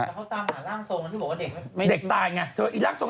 แล้วเขาตามหาร่างทรงที่บอกว่าเด็ก